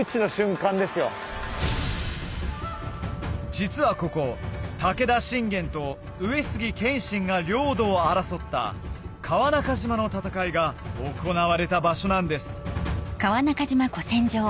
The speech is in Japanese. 実はここ武田信玄と上杉謙信が領土を争った川中島の戦いが行われた場所なんです